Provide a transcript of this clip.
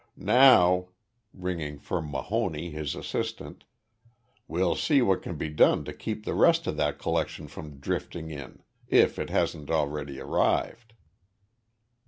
Now," ringing for Mahoney, his assistant, "we'll see what can be done to keep the rest of that collection from drifting in if it hasn't already arrived."